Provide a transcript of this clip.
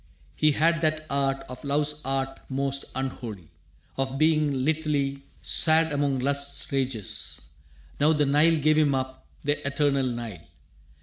He had that art, of love's arts most unholy, Of being lithely sad among lust's rages. Now the Nile gave him up, the eternal Nile.